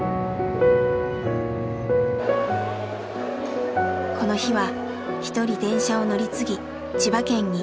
この日は一人電車を乗り継ぎ千葉県に。